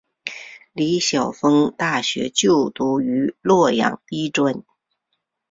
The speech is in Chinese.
李晓峰大学就读于洛阳医专。